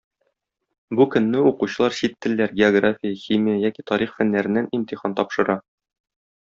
Бу көнне укучылар чит телләр, география, химия яки тарих фәннәреннән имтихан тапшыра.